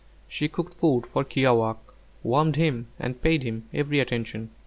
She cooked food for kiawākq', warmed him, and paid him every attention.